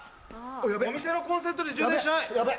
お店のコンセントで充電しない！